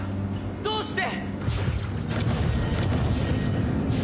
どうして！